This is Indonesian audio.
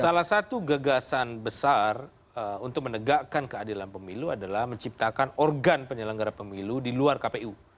salah satu gagasan besar untuk menegakkan keadilan pemilu adalah menciptakan organ penyelenggara pemilu di luar kpu